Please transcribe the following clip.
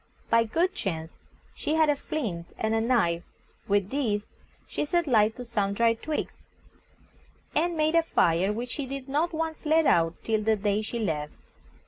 By good chance she had a flint and a knife; with these she set light to some dry twigs, and made a fire, which she did not once let out till the day she left.